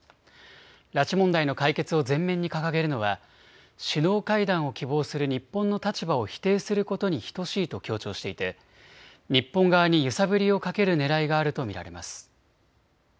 拉致問題の解決を前面に掲げるのは首脳会談を希望する日本の立場を否定することに等しいと強調していて日本側に揺さぶりをかけるねらいがあると見られます。